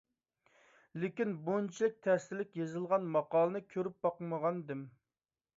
لېكىن، بۇنىڭچىلىك تەسىرلىك يېزىلغان ماقالىنى كۆرۈپ باقمىغانىدىم.